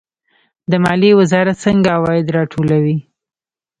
د مالیې وزارت څنګه عواید راټولوي؟